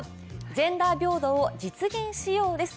「ジェンダー平等を実現しよう」です。